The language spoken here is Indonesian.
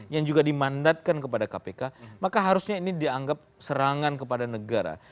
yang juga dimandatkan kepada kpk maka harusnya ini dianggap serangan kepada negara